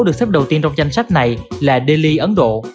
được xếp đầu tiên trong danh sách này là delhi ấn độ